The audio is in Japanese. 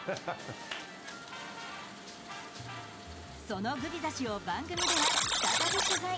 そのグビザ氏を番組では再び取材。